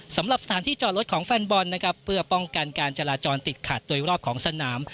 สำหรับสถานที่จอดรถของแฟนบอลนะครับเพื่อป้องกันการจราจรติดขัดโดยรอบของสนาม